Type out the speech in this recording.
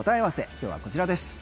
今日はこちらです。